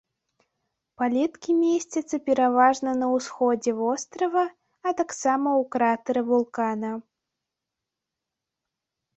Палеткі месцяцца пераважна на ўсходзе вострава, а таксама ў кратэры вулкана.